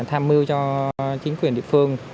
tham mưu cho chính quyền địa phương